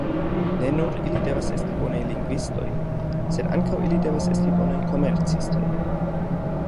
Ne nur ili devas esti bonaj lingvistoj, sed ankaŭ ili devas esti bonaj komercistoj.